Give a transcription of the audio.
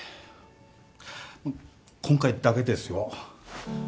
今回だけですよ。